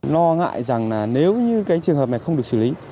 lo ngại rằng là nếu như cái trường hợp này không được xử lý